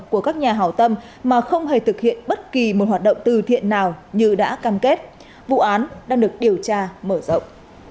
của các nhà hào tâm mà không hề thực hiện bất kỳ một hoạt động từ thiện nào như đã cam kết vụ án đang được điều tra mở rộng